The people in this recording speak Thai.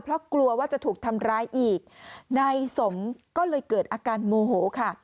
เพราะกลัวว่าจะถูกทำร้ายอีกนายสมก็เลยเกิดอาการโมโหค่ะ